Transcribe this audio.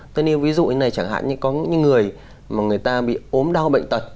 tôi nghĩ ví dụ như thế này chẳng hạn như có những người mà người ta bị ốm đau bệnh tật